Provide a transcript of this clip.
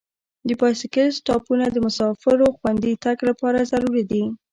د بایسکل سټاپونه د مسافرو خوندي تګ لپاره ضروري دي.